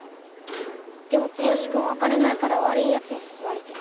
でも剛くんお金ないから悪い奴に誘われて。